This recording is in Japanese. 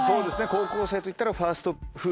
高校生といったらファストフード。